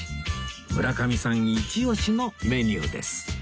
村上さんイチオシのメニューです